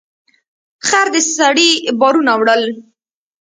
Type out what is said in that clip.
خر د سړي بارونه وړل.